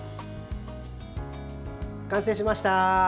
完成しました。